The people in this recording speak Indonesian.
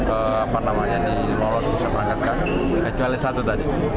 apa namanya di lolos bisa berangkatkan kecuali satu tadi